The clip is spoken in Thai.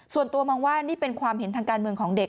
ส่วนตัวมองว่านี่เป็นความเห็นทางการเมืองของเด็ก